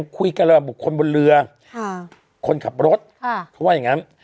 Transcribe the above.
คุยกันแล้วบุคคลบนเรือค่ะคนขับรถค่ะเพราะว่าอย่างงั้น